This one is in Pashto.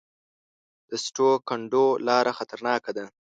د سټو کنډو لاره خطرناکه ده